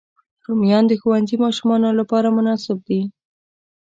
رومیان د ښوونځي ماشومانو لپاره مناسب دي